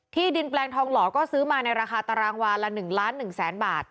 ดินแปลงทองหล่อก็ซื้อมาในราคาตารางวาละ๑ล้าน๑แสนบาท